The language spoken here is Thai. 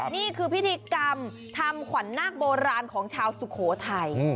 นี่คือพิธีกรรมทำขวัญนาคโบราณของชาวสุโขทัย